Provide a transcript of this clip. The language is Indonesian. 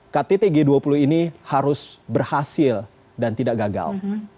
kttg dua puluh ini harus berhasil dan tidak gagal